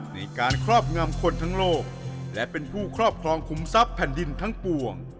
ในการครอบงำคนทั้งโลกและเป็นผู้ครอบครองคุมทรัพย์แผ่นดินทั้งปวง